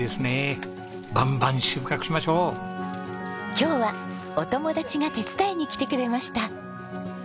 今日はお友達が手伝いに来てくれました。